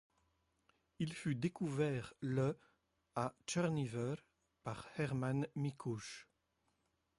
Il fut découvert le à Črni Vrh par Herman Mikuž.